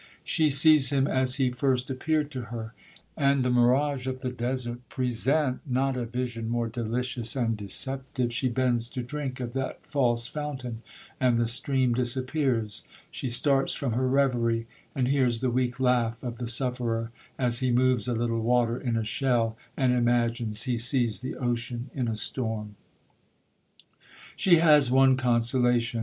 She sees him as he first appeared to her,—and the mirage of the desert present not a vision more delicious and deceptive—she bends to drink of that false fountain, and the stream disappears—she starts from her reverie, and hears the weak laugh of the sufferer, as he moves a little water in a shell, and imagines he sees the ocean in a storm! 'She has one consolation.